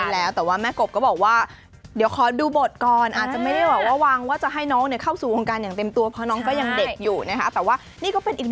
ให้เราได้ติดตามกัน